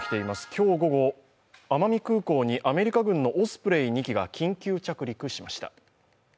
今日午後、奄美空港にアメリカ軍のオスプレイ２機が緊急着陸しました。